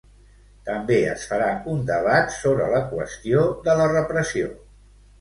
També es farà un debat sobre la qüestió de la repressió.